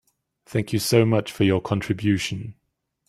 Thank you so much for your contribution.